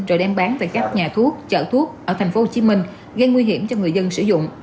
rồi đem bán về các nhà thuốc chợ thuốc ở tp hcm gây nguy hiểm cho người dân sử dụng